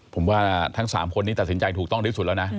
ผมว่าทั้ง๓คนนี้ตัดสินใจถูกต้องที่สุดแล้วนะ